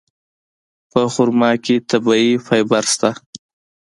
په خرما کې طبیعي فایبر شته.